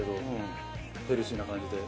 ヘルシーな感じで。